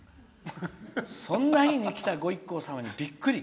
そんな日に来たご一行様にびっくり。